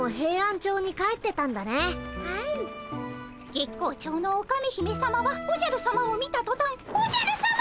月光町のオカメ姫さまはおじゃるさまを見たとたん「おじゃるさま！